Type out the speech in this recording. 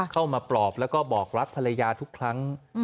ปลอบแล้วก็บอกรักภรรยาทุกครั้ง